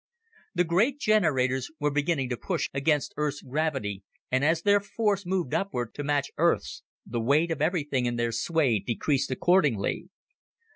The great generators were beginning to push against Earth's gravity and, as their force moved upward to match Earth's, the weight of everything in their sway decreased accordingly.